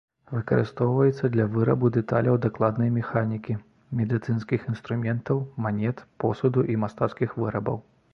Выкарыстоўваецца для вырабу дэталяў дакладнай механікі, медыцынскіх інструментаў, манет, посуду і мастацкіх вырабаў.